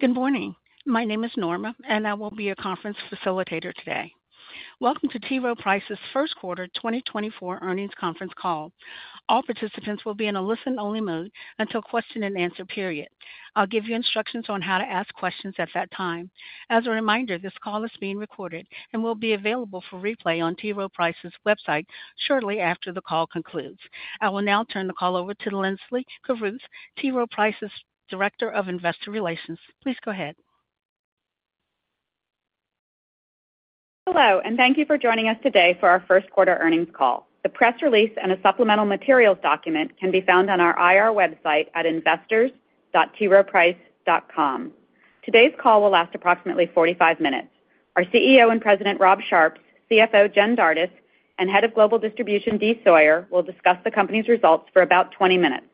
Good morning. My name is Norma, and I will be your conference facilitator today. Welcome to T. Rowe Price's first quarter 2024 earnings conference call. All participants will be in a listen-only mode until question and answer period. I'll give you instructions on how to ask questions at that time. As a reminder, this call is being recorded and will be available for replay on T. Rowe Price's website shortly after the call concludes. I will now turn the call over to Linsley Carruth, T. Rowe Price's Director of Investor Relations. Please go ahead. Hello, and thank you for joining us today for our first quarter earnings call. The press release and a supplemental materials document can be found on our IR website at investors.troweprice.com. Today's call will last approximately 45 minutes. Our CEO and President, Rob Sharps, CFO, Jen Dardis, and Head of Global Distribution, Dee Sawyer, will discuss the company's results for about 20 minutes.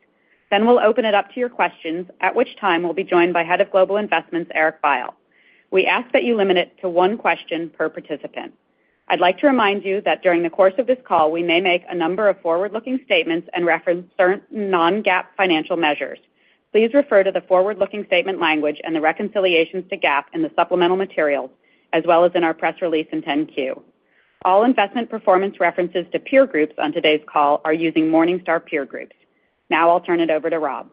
Then we'll open it up to your questions, at which time we'll be joined by Head of Global Investments, Eric Veiel. We ask that you limit it to one question per participant. I'd like to remind you that during the course of this call, we may make a number of forward-looking statements and reference certain non-GAAP financial measures. Please refer to the forward-looking statement language and the reconciliations to GAAP in the supplemental materials, as well as in our press release in 10-Q. All investment performance references to peer groups on today's call are using Morningstar peer groups. Now I'll turn it over to Rob.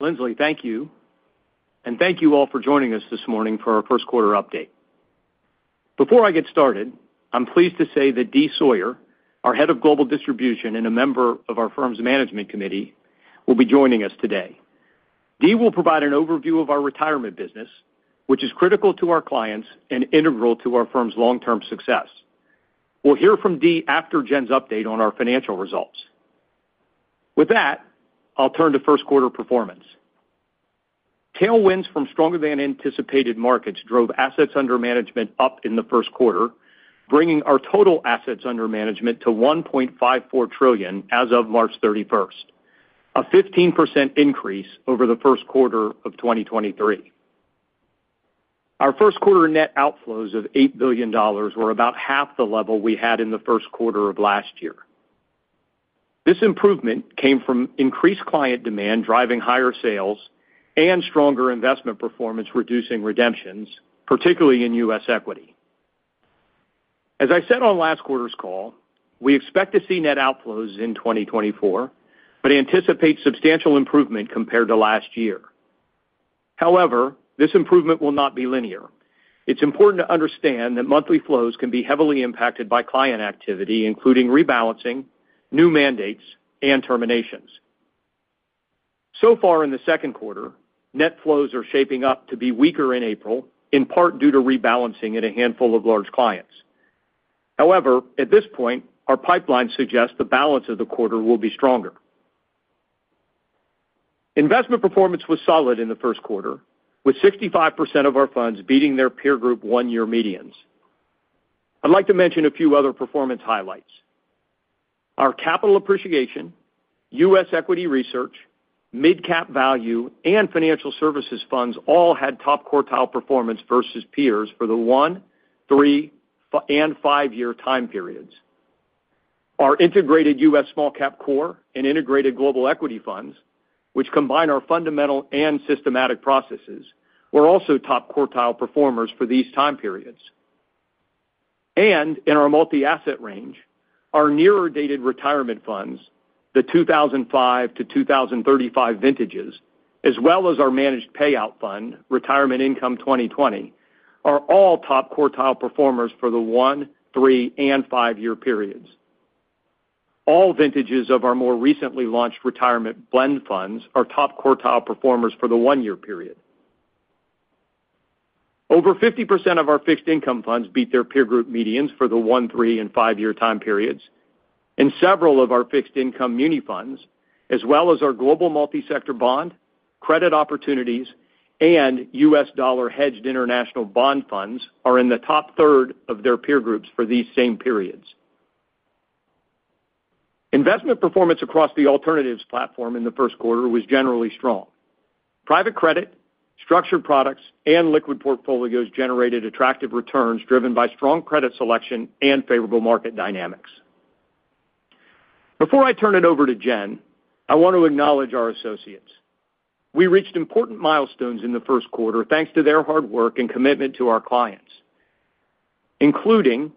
Linsley, thank you, and thank you all for joining us this morning for our first quarter update. Before I get started, I'm pleased to say that Dee Sawyer, our Head of Global Distribution and a member of our firm's management committee, will be joining us today. Dee will provide an overview of our retirement business, which is critical to our clients and integral to our firm's long-term success. We'll hear from Dee after Jen's update on our financial results. With that, I'll turn to first quarter performance. Tailwinds from stronger than anticipated markets drove assets under management up in the first quarter, bringing our total assets under management to $1.54 trillion as of March 31st, a 15% increase over the first quarter of 2023. Our first quarter net outflows of $8 billion were about half the level we had in the first quarter of last year. This improvement came from increased client demand, driving higher sales and stronger investment performance, reducing redemptions, particularly in U.S. Equity. As I said on last quarter's call, we expect to see net outflows in 2024, but anticipate substantial improvement compared to last year. However, this improvement will not be linear. It's important to understand that monthly flows can be heavily impacted by client activity, including rebalancing, new mandates, and terminations. So far in the second quarter, net flows are shaping up to be weaker in April, in part due to rebalancing at a handful of large clients. However, at this point, our pipeline suggests the balance of the quarter will be stronger. Investment performance was solid in the first quarter, with 65% of our funds beating their peer group one-year medians. I'd like to mention a few other performance highlights. Our Capital Appreciation, U.S. Equity Research, Mid-Cap Value, and Financial Services funds all had top-quartile performance versus peers for the one, three, and five-year time periods. Our Integrated U.S. Small-Cap Core and Integrated Global Equity funds, which combine our fundamental and systematic processes, were also top-quartile performers for these time periods. And in our multi-asset range, our nearer-dated retirement funds, the 2005 to 2035 vintages, as well as our Managed Payout fund, Retirement Income 2020, are all top-quartile performers for the one, three, and five-year periods. All vintages of our more recently launched Retirement Blend funds are top-quartile performers for the one-year period. Over 50% of our fixed income funds beat their peer group medians for the one, three, and five-year time periods, and several of our fixed income muni funds, as well as our Global Multi-Sector Bond, Credit Opportunities, and US Dollar Hedged International Bond funds, are in the top third of their peer groups for these same periods. Investment performance across the alternatives platform in the first quarter was generally strong. Private Credit, structured products, and liquid portfolios generated attractive returns, driven by strong credit selection and favorable market dynamics. Before I turn it over to Jen, I want to acknowledge our associates. We reached important milestones in the first quarter, thanks to their hard work and commitment to our clients, including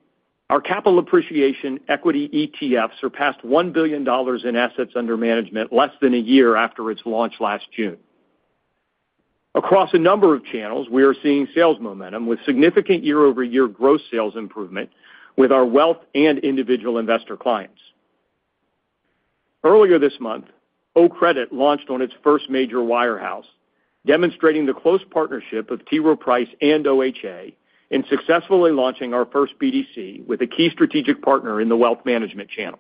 our Capital Appreciation Equity ETF surpassed $1 billion in assets under management less than a year after its launch last June. Across a number of channels, we are seeing sales momentum with significant year-over-year growth sales improvement with our wealth and individual investor clients. Earlier this month, OCREDIT launched on its first major wirehouse, demonstrating the close partnership of T. Rowe Price and OHA in successfully launching our first BDC with a key strategic partner in the wealth management channel.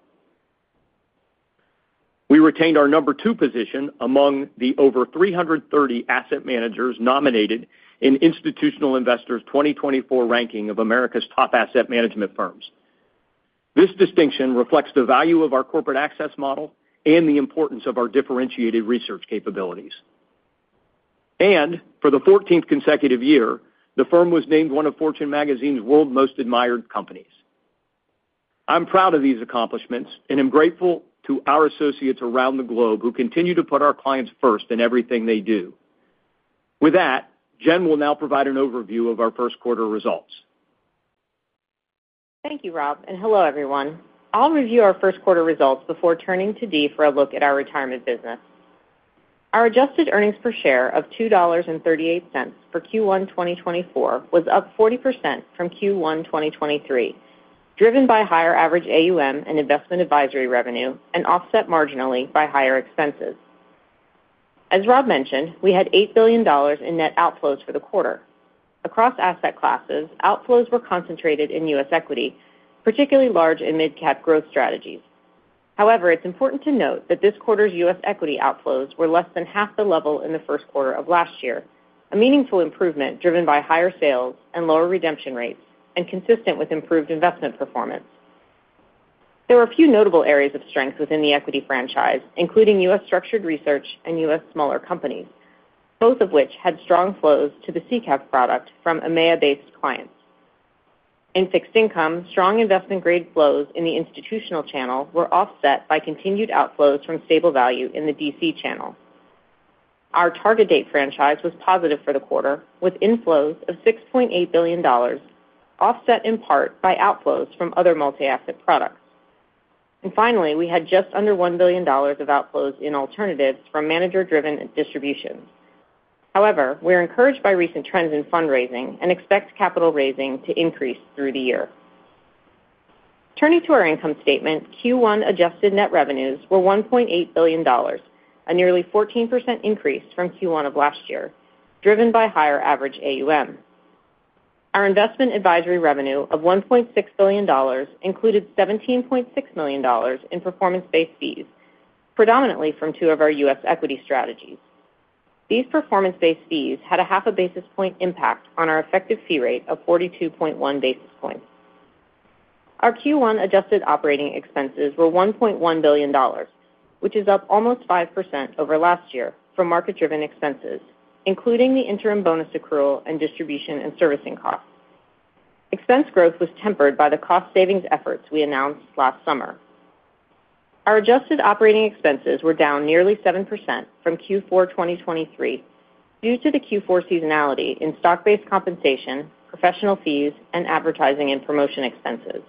We retained our number two position among the over 330 asset managers nominated in Institutional Investor's 2024 ranking of America's top asset management firms. This distinction reflects the value of our corporate access model and the importance of our differentiated research capabilities. For the fourteenth consecutive year, the firm was named one of Fortune magazine's World's Most Admired Companies. I'm proud of these accomplishments, and I'm grateful to our associates around the globe who continue to put our clients first in everything they do. With that, Jen will now provide an overview of our first quarter results. Thank you, Rob, and hello, everyone. I'll review our first quarter results before turning to Dee for a look at our retirement business. Our adjusted earnings per share of $2.38 for Q1 2024 was up 40% from Q1 2023, driven by higher average AUM and investment advisory revenue, and offset marginally by higher expenses. As Rob mentioned, we had $8 billion in net outflows for the quarter. Across asset classes, outflows were concentrated in U.S. Equity, particularly large in mid-cap growth strategies. However, it's important to note that this quarter's US equity outflows were less than half the level in the first quarter of last year, a meaningful improvement driven by higher sales and lower redemption rates, and consistent with improved investment performance. There were a few notable areas of strength within the equity franchise, including U.S. Structured Research and U.S. Smaller Companies, both of which had strong flows to the SICAV from EMEA-based clients. In fixed income, strong investment-grade flows in the institutional channel were offset by continued outflows from stable value in the DC channel. Our Target Date franchise was positive for the quarter, with inflows of $6.8 billion, offset in part by outflows from other multi-asset products. Finally, we had just under $1 billion of outflows in alternatives from manager-driven distributions. However, we're encouraged by recent trends in fundraising and expect capital raising to increase through the year. Turning to our income statement, Q1 adjusted net revenues were $1.8 billion, a nearly 14% increase from Q1 of last year, driven by higher average AUM. Our investment advisory revenue of $1.6 billion included $17.6 million in performance-based fees, predominantly from two of our U.S. Equity Strategies. These performance-based fees had a 0.5 basis point impact on our effective fee rate of 42.1 basis points. Our Q1 adjusted operating expenses were $1.1 billion, which is up almost 5% over last year from market-driven expenses, including the interim bonus accrual and distribution and servicing costs. Expense growth was tempered by the cost savings efforts we announced last summer. Our adjusted operating expenses were down nearly 7% from Q4 2023, due to the Q4 seasonality in stock-based compensation, professional fees, and advertising and promotion expenses.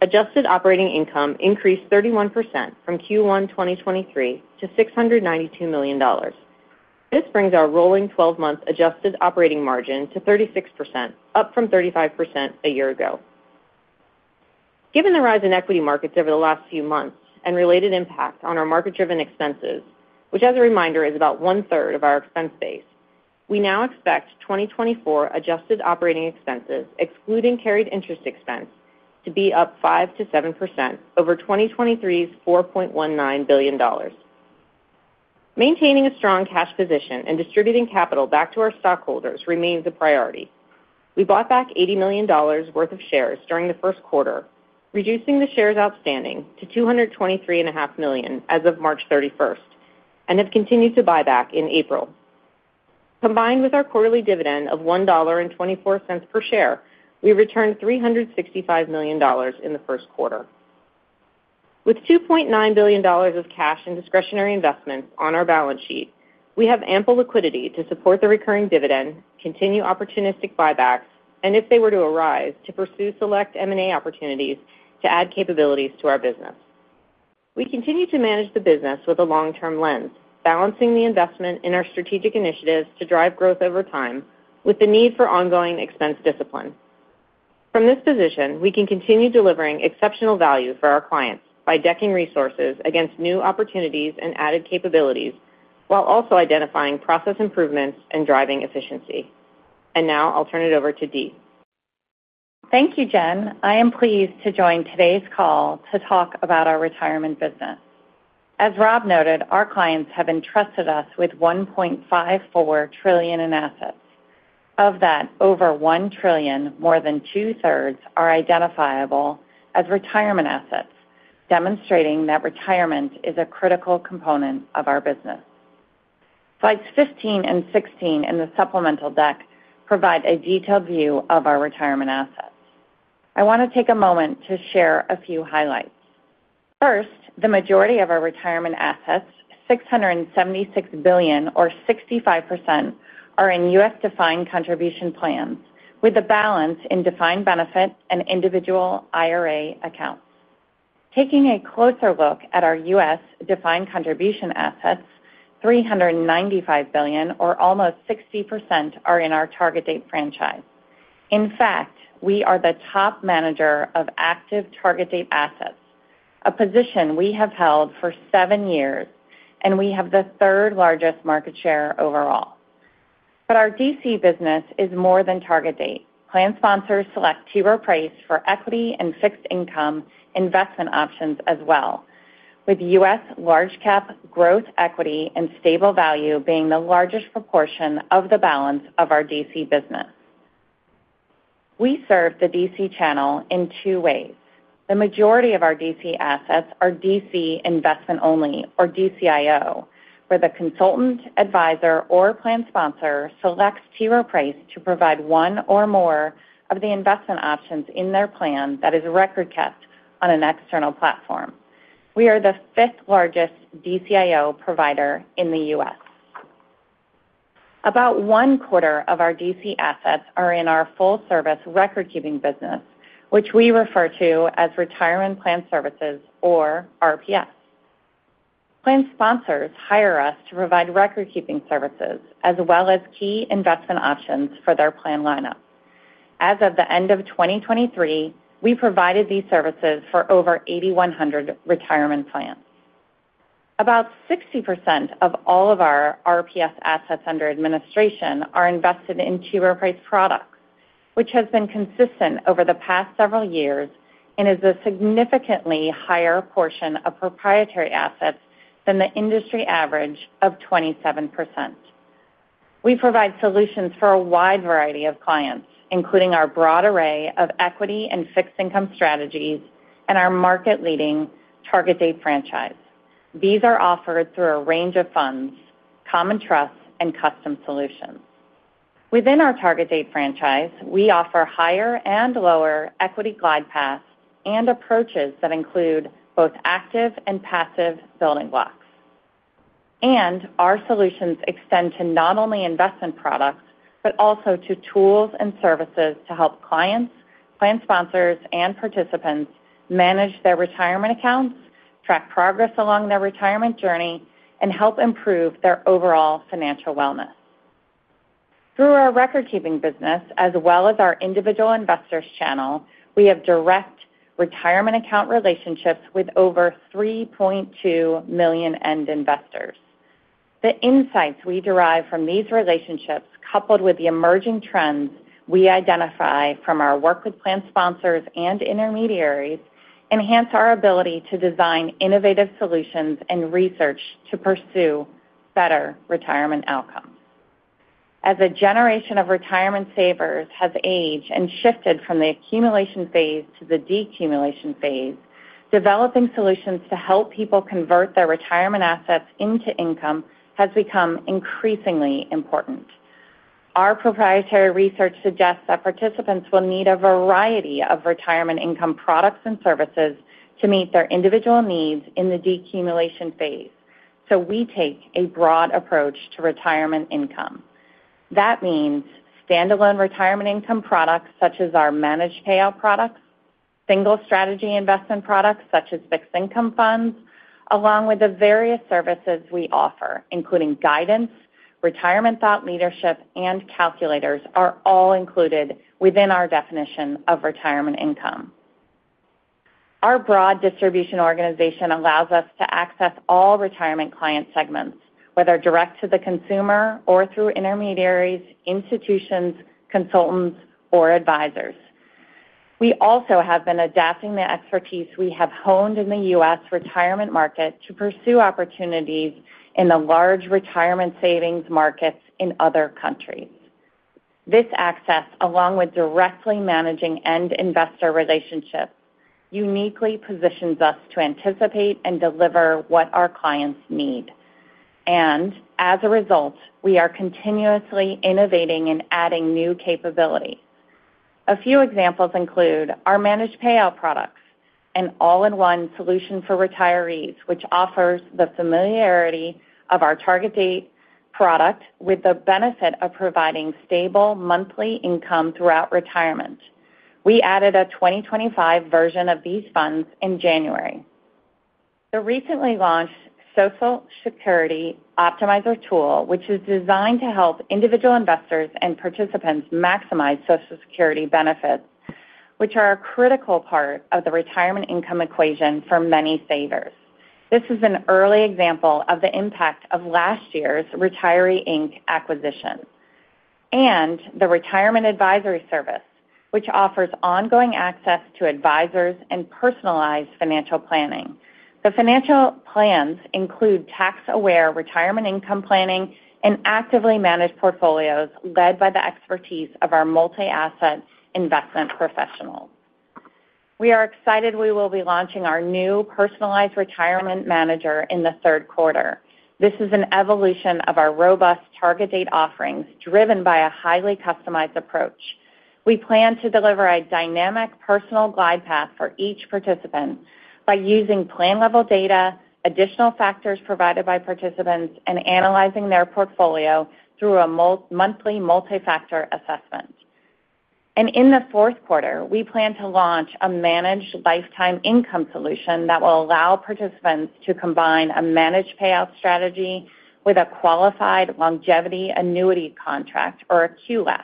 Adjusted operating income increased 31% from Q1 2023 to $692 million. This brings our rolling twelve-month adjusted operating margin to 36%, up from 35% a year ago. Given the rise in equity markets over the last few months and related impact on our market-driven expenses, which, as a reminder, is about one-third of our expense base, we now expect 2024 adjusted operating expenses, excluding carried interest expense, to be up 5%-7% over 2023's $4.19 billion. Maintaining a strong cash position and distributing capital back to our stockholders remains a priority. We bought back $80 million worth of shares during the first quarter, reducing the shares outstanding to 223.5 million as of March 31, and have continued to buy back in April. Combined with our quarterly dividend of $1.24 per share, we returned $365 million in the first quarter. With $2.9 billion of cash and discretionary investments on our balance sheet, we have ample liquidity to support the recurring dividend, continue opportunistic buybacks, and if they were to arise, to pursue select M&A opportunities to add capabilities to our business. We continue to manage the business with a long-term lens, balancing the investment in our strategic initiatives to drive growth over time with the need for ongoing expense discipline. From this position, we can continue delivering exceptional value for our clients by dedicating resources against new opportunities and added capabilities, while also identifying process improvements and driving efficiency. And now I'll turn it over to Dee. Thank you, Jen. I am pleased to join today's call to talk about our retirement business. As Rob noted, our clients have entrusted us with $1.54 trillion in assets. Of that, over $1 trillion, more than two-thirds, are identifiable as retirement assets, demonstrating that retirement is a critical component of our business. Slides 15 and 16 in the supplemental deck provide a detailed view of our retirement assets. I want to take a moment to share a few highlights. First, the majority of our retirement assets, $676 billion, or 65%, are in U.S. defined contribution plans, with the balance in defined benefit and individual IRA accounts. Taking a closer look at our U.S. defined contribution assets, $395 billion, or almost 60%, are in our target date franchise. In fact, we are the top manager of active target date assets, a position we have held for 7 years, and we have the third-largest market share overall. But our DC business is more than target date. Plan sponsors select T. Rowe Price for equity and fixed income investment options as well, with U.S. Large-Cap Growth Equity, and stable value being the largest proportion of the balance of our DC business. We serve the DC channel in 2 ways. The majority of our DC assets are DC investment only, or DCIO, where the consultant, advisor, or plan sponsor selects T. Rowe Price to provide 1 or more of the investment options in their plan that is record kept on an external platform. We are the fifth largest DCIO provider in the U.S. About one quarter of our DC assets are in our full-service record-keeping business, which we refer to as Retirement Plan Services or RPS. Plan sponsors hire us to provide record-keeping services, as well as key investment options for their plan lineup. As of the end of 2023, we provided these services for over 8,100 retirement plans. About 60% of all of our RPS assets under administration are invested in T. Rowe Price products, which has been consistent over the past several years and is a significantly higher portion of proprietary assets than the industry average of 27%. We provide solutions for a wide variety of clients, including our broad array of equity and fixed income strategies and our market-leading Target Date franchise. These are offered through a range of funds, common trusts, and custom solutions. Within our target date franchise, we offer higher and lower equity glide paths and approaches that include both active and passive building blocks. Our solutions extend to not only investment products, but also to tools and services to help clients, plan sponsors, and participants manage their retirement accounts, track progress along their retirement journey, and help improve their overall financial wellness. Through our record-keeping business, as well as our individual investors channel, we have direct retirement account relationships with over 3.2 million end investors. The insights we derive from these relationships, coupled with the emerging trends we identify from our work with plan sponsors and intermediaries, enhance our ability to design innovative solutions and research to pursue better retirement outcomes. As a generation of retirement savers have aged and shifted from the accumulation phase to the decumulation phase, developing solutions to help people convert their retirement assets into income has become increasingly important. Our proprietary research suggests that participants will need a variety of retirement income products and services to meet their individual needs in the decumulation phase, so we take a broad approach to retirement income. That means standalone retirement income products, such as our managed payout products, single strategy investment products such as fixed income funds, along with the various services we offer, including guidance, retirement thought leadership, and calculators, are all included within our definition of retirement income. Our broad distribution organization allows us to access all retirement client segments, whether direct to the consumer or through intermediaries, institutions, consultants, or advisors. We also have been adapting the expertise we have honed in the U.S. retirement market to pursue opportunities in the large retirement savings markets in other countries. This access, along with directly managing end investor relationships, uniquely positions us to anticipate and deliver what our clients need. As a result, we are continuously innovating and adding new capability. A few examples include our Managed Payout products, an all-in-one solution for retirees, which offers the familiarity of our Target Date product with the benefit of providing stable monthly income throughout retirement. We added a 2025 version of these funds in January. The recently launched Social Security Optimizer tool, which is designed to help individual investors and participants maximize Social Security benefits, which are a critical part of the retirement income equation for many savers. This is an early example of the impact of last year's Retiree, Inc. acquisition, and the Retirement Advisory Service, which offers ongoing access to advisors and personalized financial planning. The financial plans include tax-aware retirement income planning and actively managed portfolios, led by the expertise of our multi-asset investment professionals. We are excited we will be launching our new Personalized Retirement Manager in the third quarter. This is an evolution of our robust Target Date offerings, driven by a highly customized approach. We plan to deliver a dynamic personal glide path for each participant by using plan-level data, additional factors provided by participants, and analyzing their portfolio through a multi-monthly multifactor assessment. In the fourth quarter, we plan to launch a Managed Lifetime Income solution that will allow participants to combine a Managed Payout strategy with a qualified longevity annuity contract or a QLAC.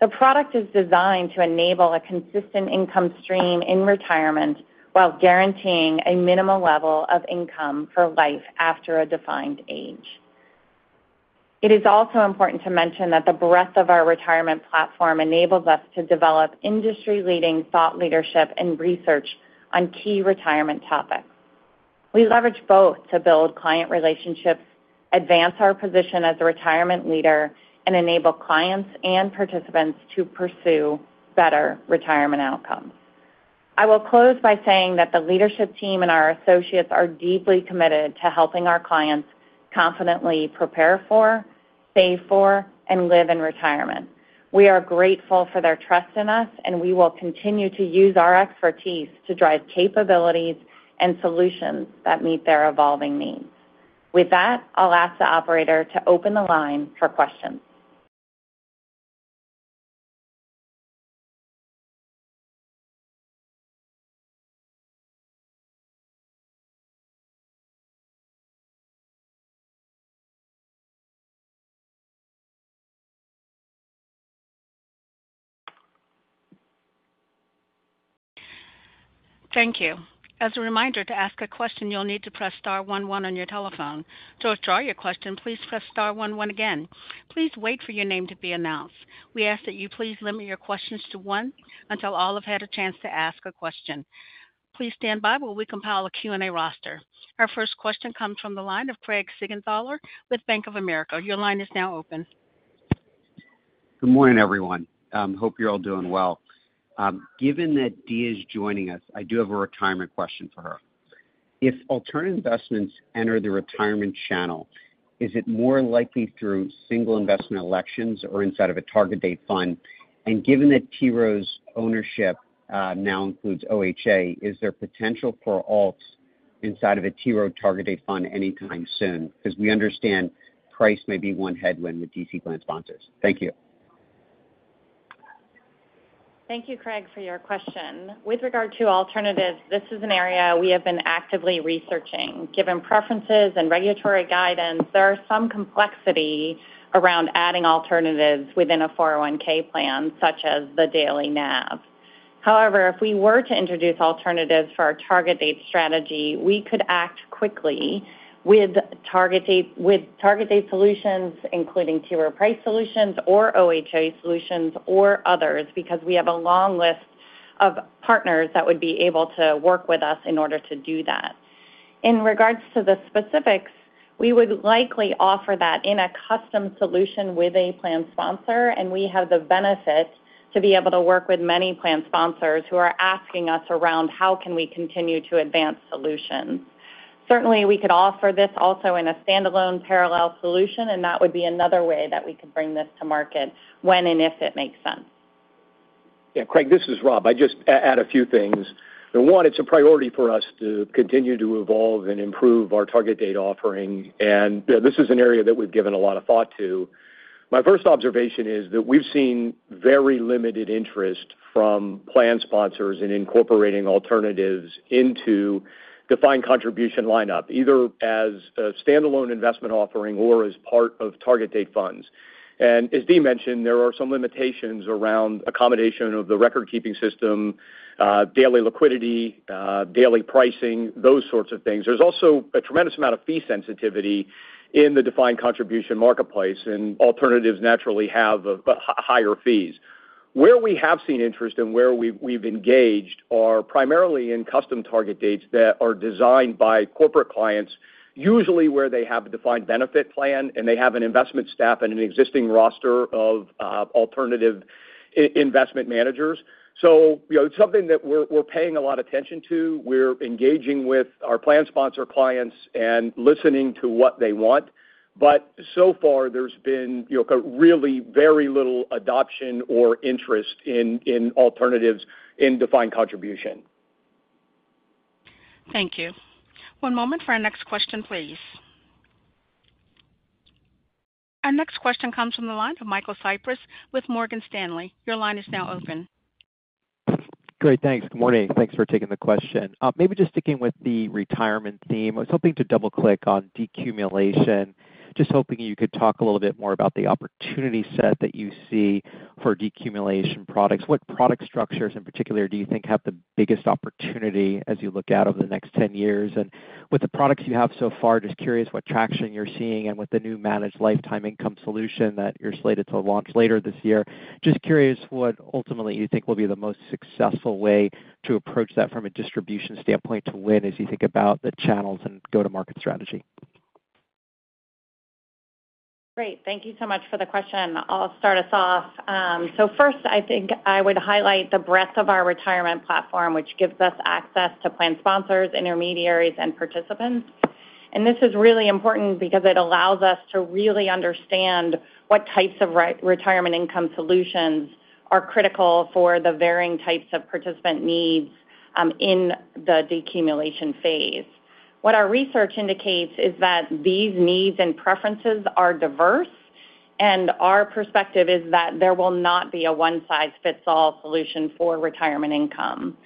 The product is designed to enable a consistent income stream in retirement while guaranteeing a minimal level of income for life after a defined age. It is also important to mention that the breadth of our retirement platform enables us to develop industry-leading thought leadership and research on key retirement topics. We leverage both to build client relationships, advance our position as a retirement leader, and enable clients and participants to pursue better retirement outcomes. I will close by saying that the leadership team and our associates are deeply committed to helping our clients confidently save for, and live in retirement. We are grateful for their trust in us, and we will continue to use our expertise to drive capabilities and solutions that meet their evolving needs. With that, I'll ask the operator to open the line for questions. Thank you. As a reminder, to ask a question, you'll need to press star one one on your telephone. To withdraw your question, please press star one one again. Please wait for your name to be announced. We ask that you please limit your questions to one until all have had a chance to ask a question. Please stand by while we compile a Q&A roster. Our first question comes from the line of Craig Siegenthaler with Bank of America. Your line is now open. Good morning, everyone. Hope you're all doing well. Given that Dee is joining us, I do have a retirement question for her. If alternative investments enter the retirement channel, is it more likely through single investment elections or inside of a target date fund? And given that T. Rowe's ownership now includes OHA, is there potential for alts inside of a T. Rowe target date fund anytime soon? Because we understand price may be one headwind with DC plan sponsors. Thank you. Thank you, Craig, for your question. With regard to alternatives, this is an area we have been actively researching. Given preferences and regulatory guidance, there are some complexity around adding alternatives within a 401(k) plan, such as the daily NAV. However, if we were to introduce alternatives for our Target Date strategy, we could act quickly with Target Date, with Target Date solutions, including T. Rowe Price solutions or OHA solutions or others, because we have a long list of partners that would be able to work with us in order to do that. In regards to the specifics, we would likely offer that in a custom solution with a plan sponsor, and we have the benefit to be able to work with many plan sponsors who are asking us around, how can we continue to advance solutions? Certainly, we could offer this also in a standalone parallel solution, and that would be another way that we could bring this to market when and if it makes sense. Yeah, Craig, this is Rob. I just add a few things. One, it's a priority for us to continue to evolve and improve our target date offering, and this is an area that we've given a lot of thought to. My first observation is that we've seen very limited interest from plan sponsors in incorporating alternatives into defined contribution lineup, either as a standalone investment offering or as part of target date funds. As Dee mentioned, there are some limitations around accommodation of the recordkeeping system, daily liquidity, daily pricing, those sorts of things. There's also a tremendous amount of fee sensitivity in the defined contribution marketplace, and alternatives naturally have higher fees. Where we have seen interest and where we've engaged are primarily in custom target dates that are designed by corporate clients, usually where they have a defined benefit plan, and they have an investment staff and an existing roster of alternative investment managers. So you know, it's something that we're paying a lot attention to. We're engaging with our plan sponsor clients and listening to what they want. But so far, there's been, you know, really very little adoption or interest in alternatives in defined contribution. Thank you. One moment for our next question, please. Our next question comes from the line of Michael Cyprys with Morgan Stanley. Your line is now open. Great, thanks. Good morning. Thanks for taking the question. Maybe just sticking with the retirement theme, I was hoping to double-click on decumulation. Just hoping you could talk a little bit more about the opportunity set that you see for decumulation products. What product structures in particular do you think have the biggest opportunity as you look out over the next 10 years? And with the products you have so far, just curious what traction you're seeing, and with the new Managed Lifetime Income solution that you're slated to launch later this year, just curious what ultimately you think will be the most successful way to approach that from a distribution standpoint to win as you think about the channels and go-to-market strategy. Great. Thank you so much for the question. I'll start us off. So first, I think I would highlight the breadth of our retirement platform, which gives us access to plan sponsors, intermediaries, and participants. This is really important because it allows us to really understand what types of retirement income solutions are critical for the varying types of participant needs, in the decumulation phase. What our research indicates is that these needs and preferences are diverse, and our perspective is that there will not be a one-size-fits-all solution for retirement income.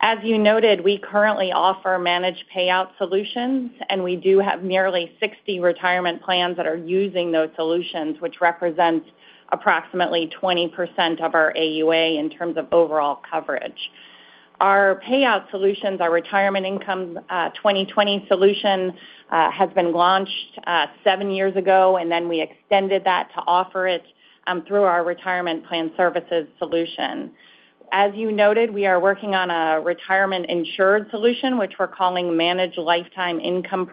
As you noted, we currently offer managed payout solutions, and we do have nearly 60 retirement plans that are using those solutions, which represents approximately 20% of our AUM in terms of overall coverage. Our payout solutions, our Retirement Income 2020 solution, has been launched seven years ago, and then we extended that to offer it through our Retirement Plan Services solution. As you noted, we are working on a retirement insured solution, which we're calling Managed Lifetime Income.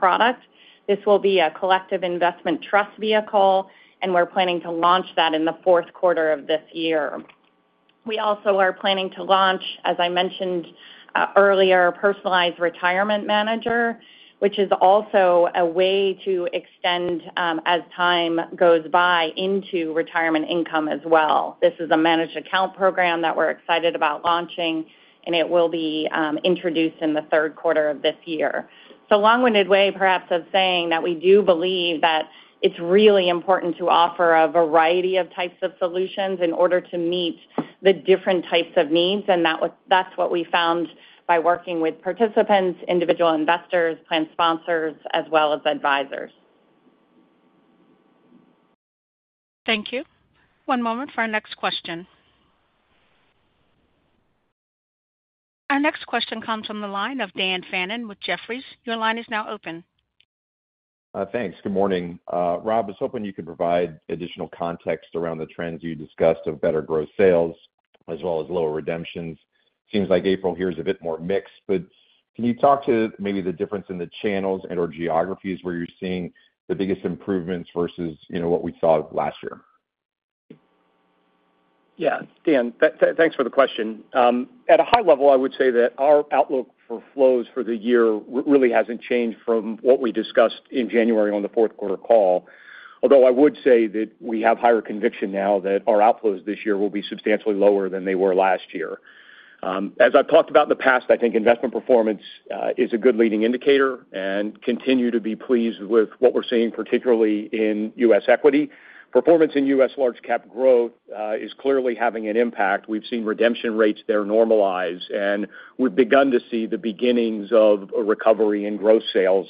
This will be a collective investment trust vehicle, and we're planning to launch that in the fourth quarter of this year. We also are planning to launch, as I mentioned earlier, Personalized Retirement Manager, which is also a way to extend, as time goes by, into retirement income as well. This is a managed account program that we're excited about launching, and it will be introduced in the third quarter of this year. So, long-winded way, perhaps, of saying that we do believe that it's really important to offer a variety of types of solutions in order to meet the different types of needs, and that's what we found by working with participants, individual investors, plan sponsors, as well as advisors. Thank you. One moment for our next question. Our next question comes from the line of Dan Fannon with Jefferies. Your line is now open. Thanks. Good morning. Rob, I was hoping you could provide additional context around the trends you discussed of better growth sales as well as lower redemptions. Seems like April here is a bit more mixed, but can you talk to maybe the difference in the channels and/or geographies where you're seeing the biggest improvements versus, you know, what we saw last year? Yeah, Dan, thanks for the question. At a high level, I would say that our outlook for flows for the year really hasn't changed from what we discussed in January on the fourth quarter call. Although I would say that we have higher conviction now that our outflows this year will be substantially lower than they were last year. As I've talked about in the past, I think investment performance is a good leading indicator and continue to be pleased with what we're seeing, particularly in U.S. Equity. Performance in U.S. Large-Cap Growth is clearly having an impact. We've seen redemption rates there normalize, and we've begun to see the beginnings of a recovery in gross sales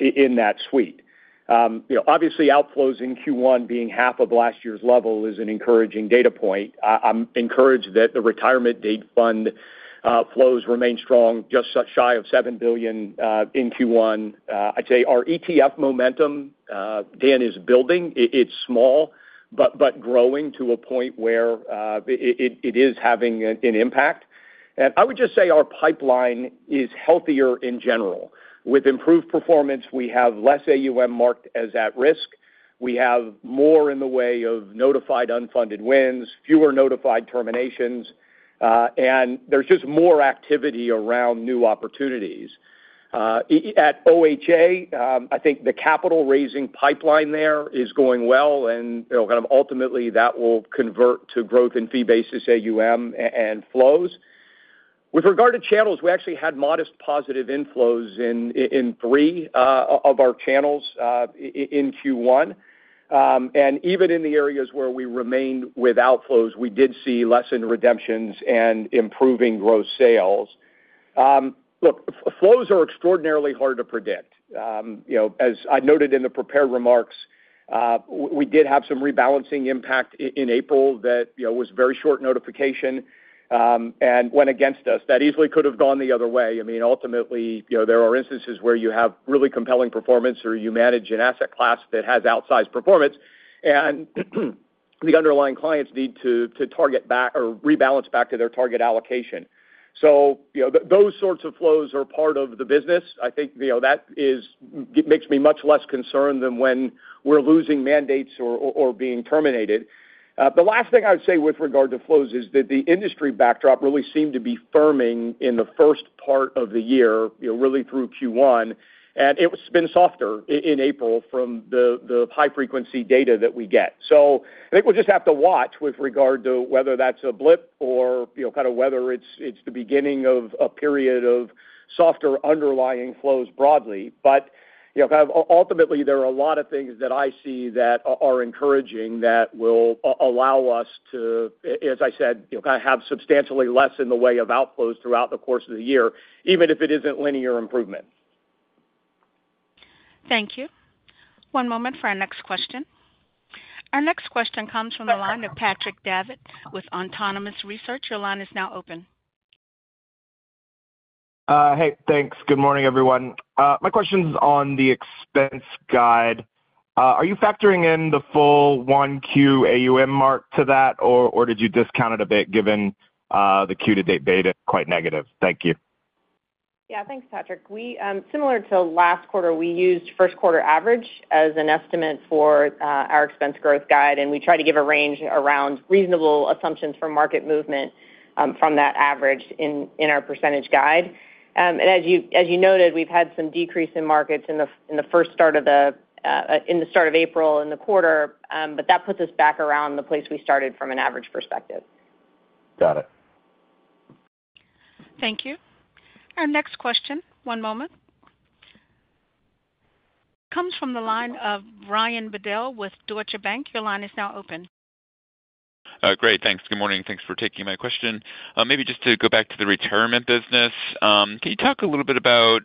in that suite. You know, obviously, outflows in Q1 being half of last year's level is an encouraging data point. I'm encouraged that the retirement date fund flows remain strong, just shy of $7 billion in Q1. I'd say our ETF momentum, Dan, is building. It's small, but growing to a point where it is having an impact. And I would just say our pipeline is healthier in general. With improved performance, we have less AUM marked as at risk. We have more in the way of notified unfunded wins, fewer notified terminations, and there's just more activity around new opportunities. At OHA, I think the capital raising pipeline there is going well, and, you know, kind of ultimately, that will convert to growth in fee basis AUM and flows. With regard to channels, we actually had modest positive inflows in three of our channels in Q1. Even in the areas where we remained with outflows, we did see less redemptions and improving gross sales. Look, flows are extraordinarily hard to predict. You know, as I noted in the prepared remarks, we did have some rebalancing impact in April that, you know, was very short notification, and went against us. That easily could have gone the other way. I mean, ultimately, you know, there are instances where you have really compelling performance, or you manage an asset class that has outsized performance, and the underlying clients need to target back or rebalance back to their target allocation. So, you know, those sorts of flows are part of the business. I think, you know, that is it makes me much less concerned than when we're losing mandates or, or, or being terminated. The last thing I would say with regard to flows is that the industry backdrop really seemed to be firming in the first part of the year, you know, really through Q1, and it's been softer in April from the high-frequency data that we get. So I think we'll just have to watch with regard to whether that's a blip or, you know, kind of whether it's the beginning of a period of softer underlying flows broadly. But, you know, kind of ultimately, there are a lot of things that I see that are encouraging, that will allow us to, as I said, you know, kind of have substantially less in the way of outflows throughout the course of the year, even if it isn't linear improvement. Thank you. One moment for our next question. Our next question comes from the line of Patrick Davitt with Autonomous Research. Your line is now open. Hey, thanks. Good morning, everyone. My question is on the expense guide. Are you factoring in the full 1Q AUM mark to that, or did you discount it a bit, given the Q2 to date beta quite negative? Thank you. Yeah. Thanks, Patrick. We, similar to last quarter, we used first quarter average as an estimate for our expense growth guide, and we try to give a range around reasonable assumptions for market movement from that average in our percentage guide. And as you noted, we've had some decrease in markets in the start of April in the quarter, but that puts us back around the place we started from an average perspective. Got it. Thank you. Our next question, one moment. Comes from the line of Brian Bedell with Deutsche Bank. Your line is now open. Great, thanks. Good morning. Thanks for taking my question. Maybe just to go back to the retirement business. Can you talk a little bit about,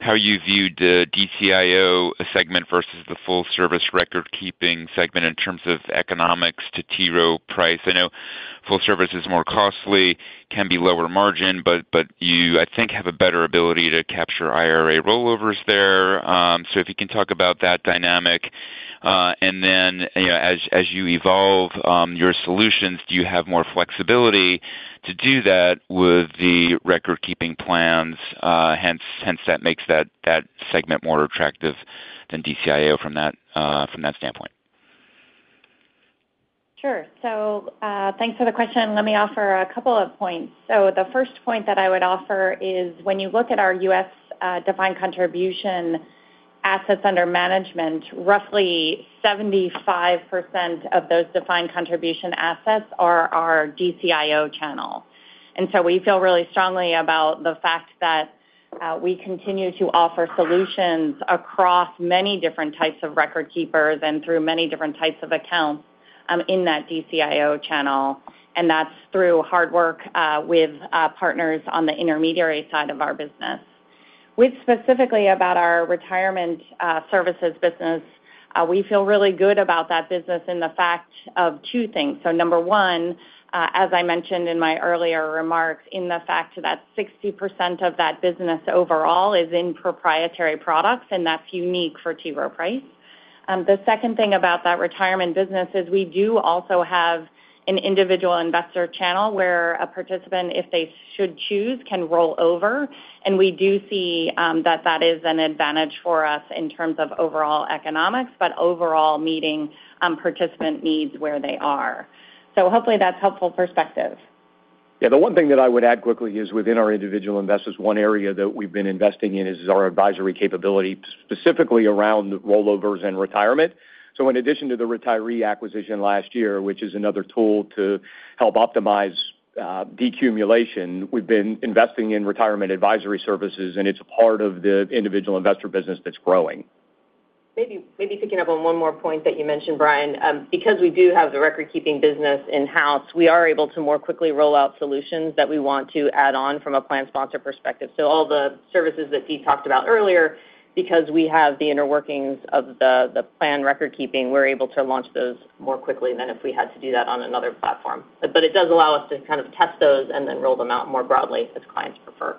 how you viewed the DCIO segment versus the full service recordkeeping segment in terms of economics to T. Rowe Price? I know full service is more costly, can be lower margin, but, but you, I think, have a better ability to capture IRA rollovers there. So if you can talk about that dynamic, and then, you know, as, as you evolve, your solutions, do you have more flexibility to do that with the recordkeeping plans? Hence, hence, that makes that, that segment more attractive than DCIO from that, from that standpoint.... Sure. So, thanks for the question. Let me offer a couple of points. So the first point that I would offer is when you look at our U.S., defined contribution assets under management, roughly 75% of those defined contribution assets are our DCIO channel. And so we feel really strongly about the fact that, we continue to offer solutions across many different types of record keepers and through many different types of accounts, in that DCIO channel, and that's through hard work with partners on the intermediary side of our business. With specifically about our retirement, services business, we feel really good about that business and the fact of two things. So number one, as I mentioned in my earlier remarks, in the fact that 60% of that business overall is in proprietary products, and that's unique for T. Rowe Price. The second thing about that retirement business is we do also have an individual investor channel where a participant, if they should choose, can roll over, and we do see, that that is an advantage for us in terms of overall economics, but overall meeting, participant needs where they are. So hopefully, that's helpful perspective. Yeah, the one thing that I would add quickly is within our individual investors, one area that we've been investing in is our advisory capability, specifically around rollovers and retirement. So in addition to the Retiree acquisition last year, which is another tool to help optimize decumulation, we've been investing in Retirement Advisory Services, and it's a part of the individual investor business that's growing. Maybe, maybe picking up on one more point that you mentioned, Brian. Because we do have the record-keeping business in-house, we are able to more quickly roll out solutions that we want to add on from a plan sponsor perspective. So all the services that Steve talked about earlier, because we have the inner workings of the plan record keeping, we're able to launch those more quickly than if we had to do that on another platform. But it does allow us to kind of test those and then roll them out more broadly as clients prefer.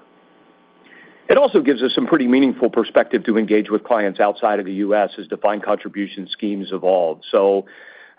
It also gives us some pretty meaningful perspective to engage with clients outside of the U.S. as defined contribution schemes evolve. So,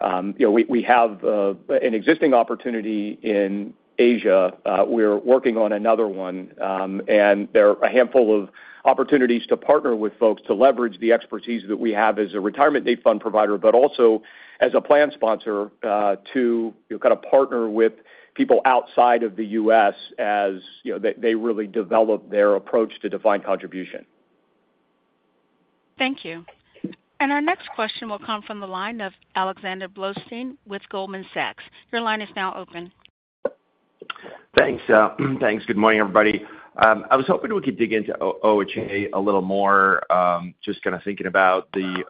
you know, we have an existing opportunity in Asia. We're working on another one, and there are a handful of opportunities to partner with folks to leverage the expertise that we have as a target date fund provider, but also as a plan sponsor, to, you know, kind of partner with people outside of the U.S. as, you know, they really develop their approach to defined contribution. Thank you. And our next question will come from the line of Alexander Blostein with Goldman Sachs. Your line is now open. Thanks, thanks. Good morning, everybody. I was hoping we could dig into OHA a little more. Just kind of thinking about the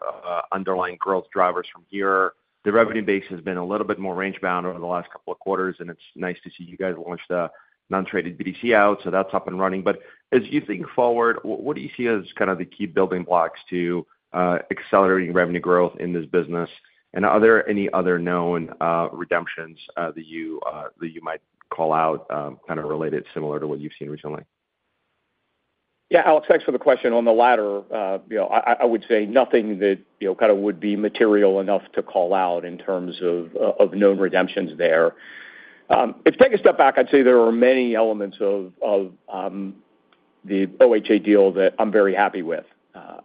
underlying growth drivers from here. The revenue base has been a little bit more range-bound over the last couple of quarters, and it's nice to see you guys launch the non-traded BDC out, so that's up and running. But as you think forward, what do you see as kind of the key building blocks to accelerating revenue growth in this business? And are there any other known redemptions that you that you might call out, kind of related similar to what you've seen recently? Yeah, Alex, thanks for the question. On the latter, you know, I would say nothing that, you know, kind of would be material enough to call out in terms of known redemptions there. If I take a step back, I'd say there are many elements of the OHA deal that I'm very happy with.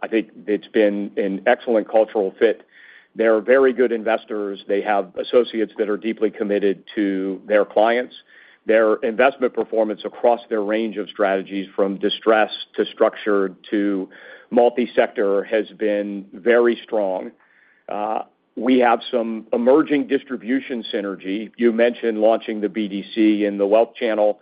I think it's been an excellent cultural fit. They're very good investors. They have associates that are deeply committed to their clients. Their investment performance across their range of strategies, from distressed to structured to multi-sector, has been very strong. We have some emerging distribution synergy. You mentioned launching the BDC in the wealth channel,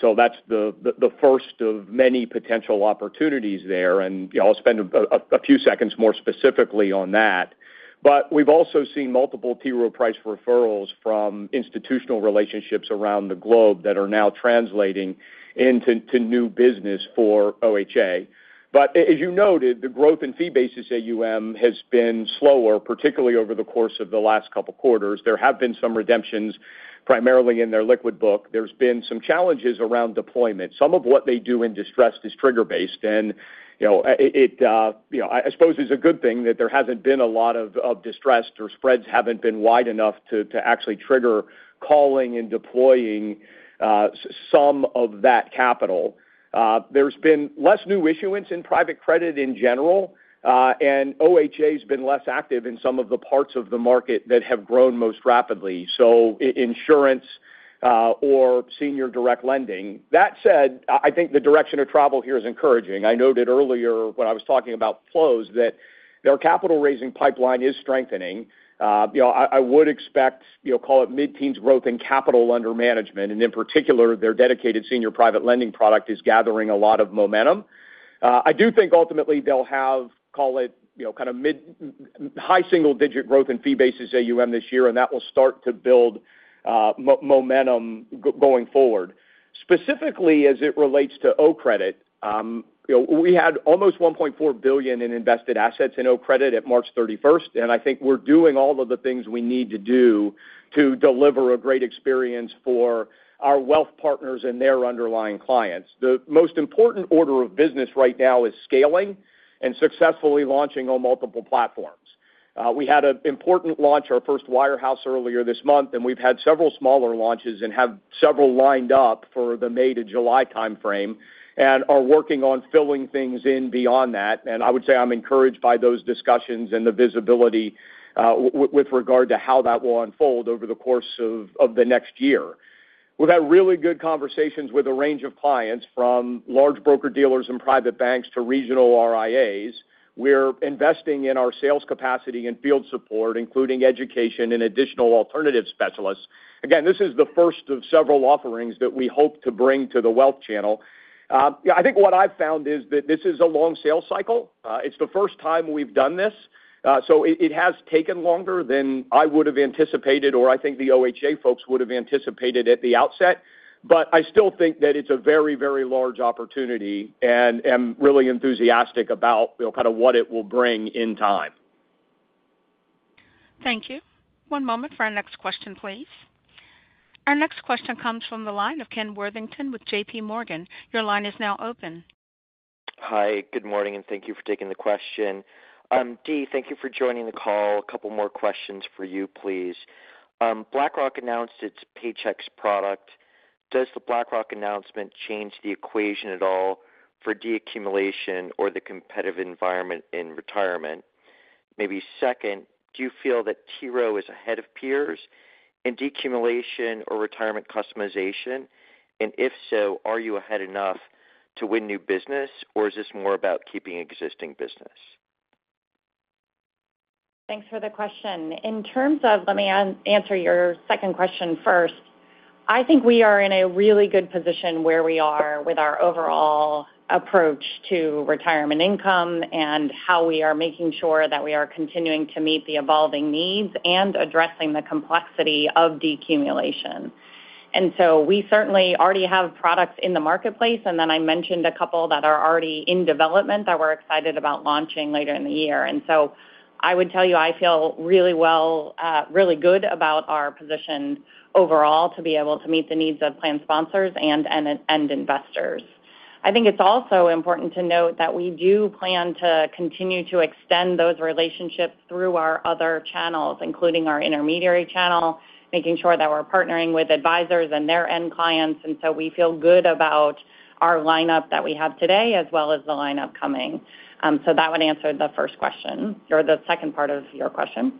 so that's the first of many potential opportunities there, and, you know, I'll spend a few seconds more specifically on that. But we've also seen multiple T. Rowe Price referrals from institutional relationships around the globe that are now translating into new business for OHA. But as you noted, the growth in fee basis AUM has been slower, particularly over the course of the last couple quarters. There have been some redemptions, primarily in their liquid book. There's been some challenges around deployment. Some of what they do in distressed is trigger-based, and, you know, I suppose it's a good thing that there hasn't been a lot of distressed or spreads haven't been wide enough to actually trigger calling and deploying some of that capital. There's been less new issuance in private credit in general, and OHA's been less active in some of the parts of the market that have grown most rapidly, so insurance or senior direct lending. That said, I think the direction of travel here is encouraging. I noted earlier when I was talking about flows, that their capital raising pipeline is strengthening. You know, I would expect, you know, call it mid-teens growth in capital under management, and in particular, their dedicated senior private lending product is gathering a lot of momentum. I do think ultimately they'll have, call it, you know, kind of mid-to high single digit growth in fee basis AUM this year, and that will start to build momentum going forward. Specifically, as it relates to OCREDIT, you know, we had almost $1.4 billion in invested assets in OCREDIT at March thirty-first, and I think we're doing all of the things we need to do to deliver a great experience for our wealth partners and their underlying clients. The most important order of business right now is scaling and successfully launching on multiple platforms. We had an important launch, our first wirehouse earlier this month, and we've had several smaller launches and have several lined up for the May to July timeframe and are working on filling things in beyond that. And I would say I'm encouraged by those discussions and the visibility, with regard to how that will unfold over the course of, of the next year. We've had really good conversations with a range of clients, from large broker dealers and private banks to regional RIAs. We're investing in our sales capacity and field support, including education and additional alternative specialists. Again, this is the first of several offerings that we hope to bring to the wealth channel. I think what I've found is that this is a long sales cycle. It's the first time we've done this, so it has taken longer than I would have anticipated or I think the OHA folks would have anticipated at the outset. But I still think that it's a very, very large opportunity and am really enthusiastic about, you know, kind of what it will bring in time. Thank you. One moment for our next question, please. Our next question comes from the line of Ken Worthington with JPMorgan. Your line is now open. Hi, good morning, and thank you for taking the question. Dee, thank you for joining the call. A couple more questions for you, please. BlackRock announced its LifePath Paycheck product. Does the BlackRock announcement change the equation at all for deaccumulation or the competitive environment in retirement? Maybe second, do you feel that T. Rowe Price is ahead of peers in deaccumulation or retirement customization? And if so, are you ahead enough to win new business, or is this more about keeping existing business? Thanks for the question. In terms of... Let me answer your second question first. I think we are in a really good position where we are with our overall approach to retirement income and how we are making sure that we are continuing to meet the evolving needs and addressing the complexity of deaccumulation. And so we certainly already have products in the marketplace, and then I mentioned a couple that are already in development that we're excited about launching later in the year. And so I would tell you, I feel really well, really good about our position overall to be able to meet the needs of plan sponsors and, and end investors. I think it's also important to note that we do plan to continue to extend those relationships through our other channels, including our intermediary channel, making sure that we're partnering with advisors and their end clients. And so we feel good about our lineup that we have today, as well as the lineup coming. So that would answer the first question or the second part of your question.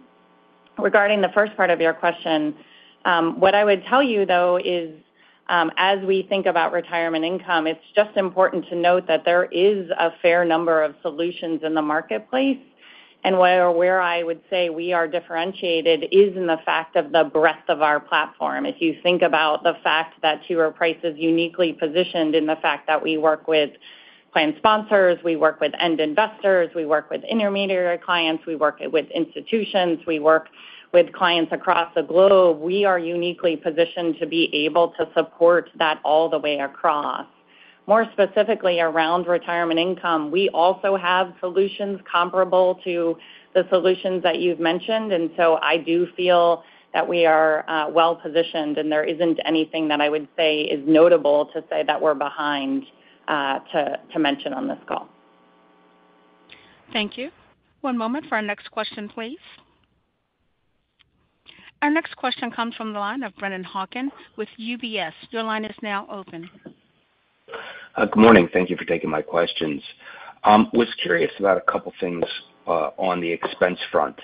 Regarding the first part of your question, what I would tell you, though, is, as we think about retirement income, it's just important to note that there is a fair number of solutions in the marketplace. And where I would say we are differentiated is in the fact of the breadth of our platform. If you think about the fact that T. Rowe Price. Rowe Price is uniquely positioned in the fact that we work with plan sponsors, we work with end investors, we work with intermediary clients, we work with institutions, we work with clients across the globe, we are uniquely positioned to be able to support that all the way across. More specifically, around retirement income, we also have solutions comparable to the solutions that you've mentioned, and so I do feel that we are well positioned, and there isn't anything that I would say is notable to say that we're behind to mention on this call. Thank you. One moment for our next question, please. Our next question comes from the line of Brennan Hawken with UBS. Your line is now open. Good morning. Thank you for taking my questions. Was curious about a couple things on the expense front.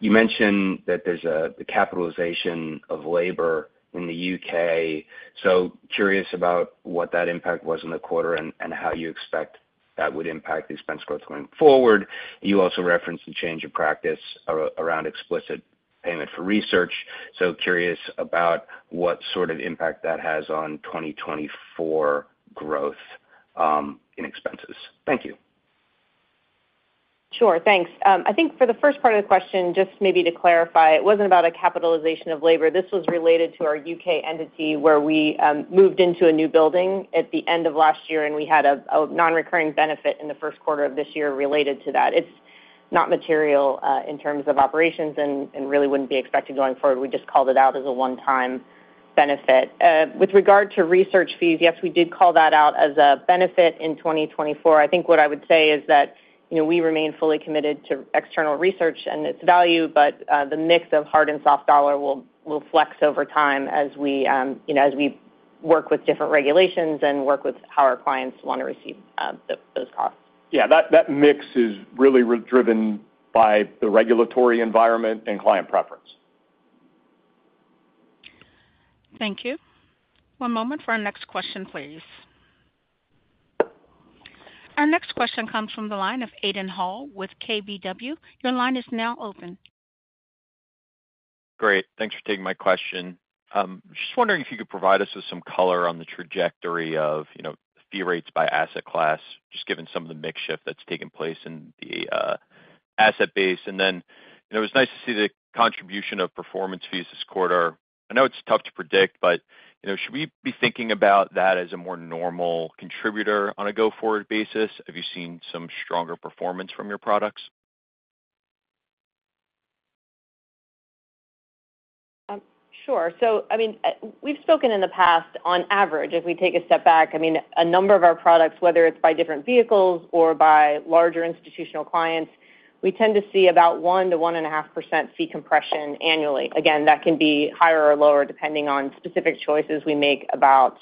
You mentioned that the capitalization of labor in the U.K. So curious about what that impact was in the quarter and how you expect that would impact the expense growth going forward. You also referenced the change of practice around explicit payment for research. So curious about what sort of impact that has on 2024 growth in expenses. Thank you. Sure. Thanks. I think for the first part of the question, just maybe to clarify, it wasn't about a capitalization of labor. This was related to our U.K. entity, where we moved into a new building at the end of last year, and we had a nonrecurring benefit in the first quarter of this year related to that. It's not material in terms of operations and really wouldn't be expected going forward. We just called it out as a one-time benefit. With regard to research fees, yes, we did call that out as a benefit in 2024. I think what I would say is that, you know, we remain fully committed to external research and its value, but the mix of hard and soft dollar will flex over time as we, you know, as we work with different regulations and work with how our clients want to receive those costs. Yeah, that, that mix is really driven by the regulatory environment and client preference. Thank you. One moment for our next question, please. Our next question comes from the line of Aidan Hall with KBW. Your line is now open. Great. Thanks for taking my question. Just wondering if you could provide us with some color on the trajectory of, you know, fee rates by asset class, just given some of the mix shift that's taken place in the asset base. And then, you know, it was nice to see the contribution of performance fees this quarter. I know it's tough to predict, but, you know, should we be thinking about that as a more normal contributor on a go-forward basis? Have you seen some stronger performance from your products? Sure. So, I mean, we've spoken in the past, on average, if we take a step back, I mean, a number of our products, whether it's by different vehicles or by larger institutional clients, we tend to see about 1%-1.5% fee compression annually. Again, that can be higher or lower, depending on specific choices we make about...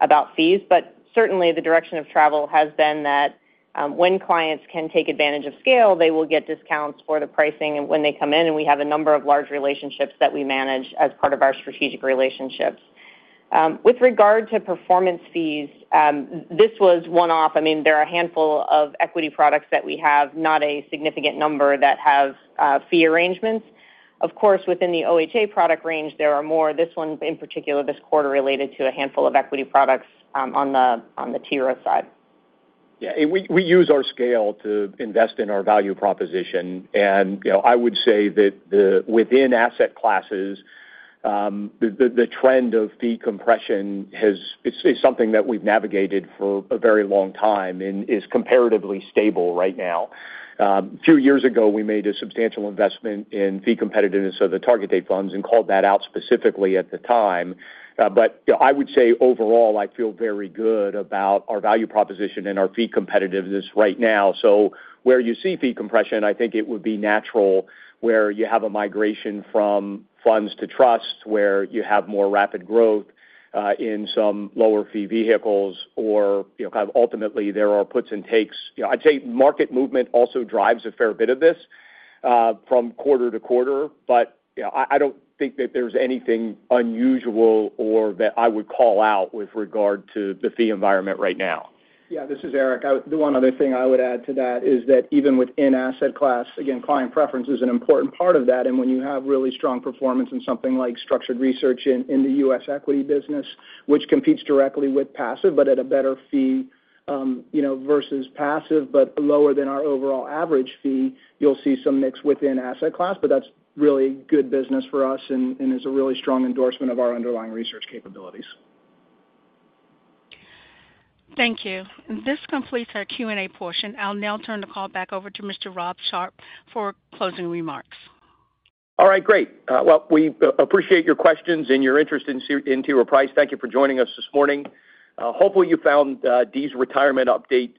about fees, but certainly the direction of travel has been that, when clients can take advantage of scale, they will get discounts for the pricing and when they come in, and we have a number of large relationships that we manage as part of our strategic relationships. With regard to performance fees, this was one-off. I mean, there are a handful of equity products that we have, not a significant number that have, fee arrangements. Of course, within the OHA product range, there are more. This one, in particular, this quarter, related to a handful of equity products, on the T. Rowe side. Yeah, we use our scale to invest in our value proposition, and, you know, I would say that the within asset classes, the trend of fee compression has, it's something that we've navigated for a very long time and is comparatively stable right now. A few years ago, we made a substantial investment in fee competitiveness of the target date funds and called that out specifically at the time. But, you know, I would say overall, I feel very good about our value proposition and our fee competitiveness right now. So where you see fee compression, I think it would be natural where you have a migration from funds to trusts, where you have more rapid growth in some lower fee vehicles, or, you know, kind of ultimately, there are puts and takes. You know, I'd say market movement also drives a fair bit of this from quarter to quarter, but, you know, I don't think that there's anything unusual or that I would call out with regard to the fee environment right now. Yeah, this is Eric. The one other thing I would add to that is that even within asset class, again, client preference is an important part of that. And when you have really strong performance in something like Structured Research in the U.S. Equity business, which competes directly with passive, but at a better fee, you know, versus passive, but lower than our overall average fee, you'll see some mix within asset class, but that's really good business for us and is a really strong endorsement of our underlying research capabilities. Thank you. This completes our Q&A portion. I'll now turn the call back over to Mr. Rob Sharps for closing remarks. All right, great. Well, we appreciate your questions and your interest in T. Rowe Price. Thank you for joining us this morning. Hopefully, you found Dee's retirement update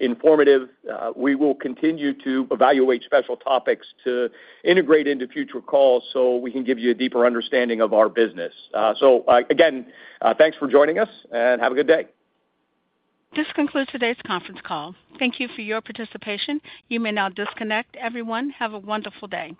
informative. We will continue to evaluate special topics to integrate into future calls so we can give you a deeper understanding of our business. So, again, thanks for joining us, and have a good day. This concludes today's conference call. Thank you for your participation. You may now disconnect. Everyone, have a wonderful day.